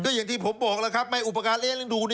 อย่างที่ผมบอกแล้วครับไม่อุปการเลี้ยดู